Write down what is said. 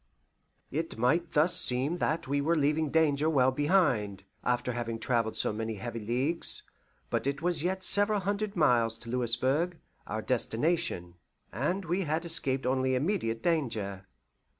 It might thus seem that we were leaving danger well behind, after having travelled so many heavy leagues, but it was yet several hundred miles to Louisburg, our destination; and we had escaped only immediate danger.